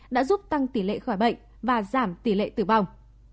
đã giúp tăng tỷ lệ khỏi bệnh và giảm tỷ lệ tử vong